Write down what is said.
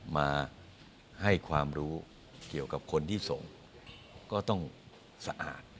มาให้ความรู้เกี่ยวกับคนที่ส่งก็ต้องสะอาด